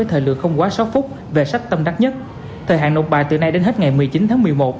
từ nay đến hết ngày một mươi chín tháng một mươi một